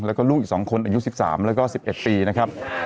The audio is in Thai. แล้วก็ลูกอีก๒คนอายุ๑๓แล้วก็๑๑ปีนะครับ